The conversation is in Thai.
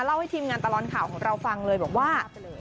เล่าให้ทีมงานตลอดข่าวของเราฟังเลยบอกว่า